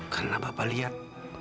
karena bapak lihat